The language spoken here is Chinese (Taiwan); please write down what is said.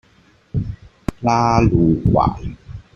拉阿魯哇語